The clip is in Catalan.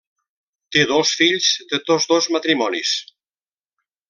Té dos fills de tots dos matrimonis.